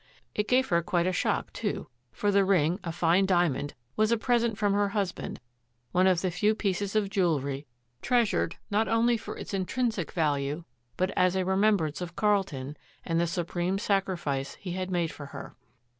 It gave her quite a shock, too, for the ring, a fine diamond, was a present from her husband, one of the few pieces of jewelry, treasured not only for its intrinsic value but as a remembrance of Carlton and the supreme sacrifice he had made for her.